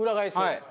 はい。